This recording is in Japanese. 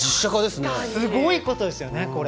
すごいことですよね、これ。